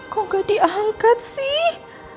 kok gak diangkat sih